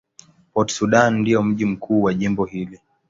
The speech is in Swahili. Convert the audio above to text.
Port Sudan ndio mji mkuu wa jimbo hili.